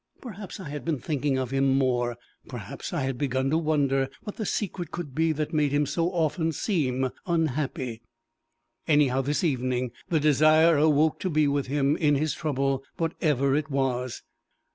Perhaps I had been thinking of him more; perhaps I had begun to wonder what the secret could be that made him so often seem unhappy. Anyhow this evening the desire awoke to be with him in his trouble whatever it was.